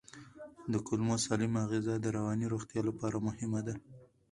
د کولمو سالمه غذا د رواني روغتیا لپاره مهمه ده.